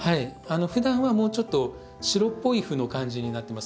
ふだんはもうちょっと白っぽい斑の感じになってます。